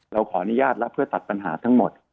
เราขออนุญาตแล้วเพื่อตัดปัญหาทั้งหมด